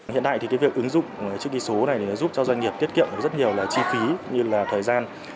hiện đại thì cái việc ứng dụng chữ ký số này giúp cho doanh nghiệp tiết kiệm rất nhiều chi phí như là thời gian